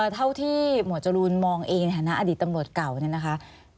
เท่าที่หมวดจรูนมองเองในฐานะอดีตตำรวจเก่าเนี่ยนะคะ